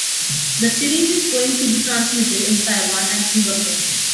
The series is going to be transmitted in Taiwan and Singapore.